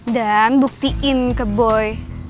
dan buktiin ke boy